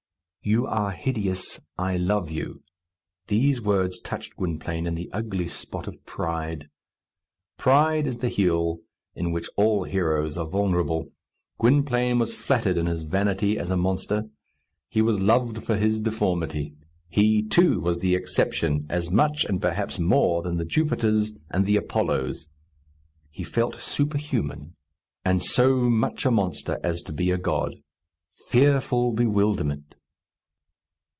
"You are hideous. I love you." These words touched Gwynplaine in the ugly spot of pride. Pride is the heel in which all heroes are vulnerable. Gwynplaine was flattered in his vanity as a monster. He was loved for his deformity. He, too, was the exception, as much and perhaps more than the Jupiters and the Apollos. He felt superhuman, and so much a monster as to be a god. Fearful bewilderment!